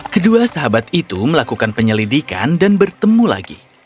kedua sahabat itu melakukan penyelidikan dan bertemu lagi